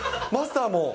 マスターも？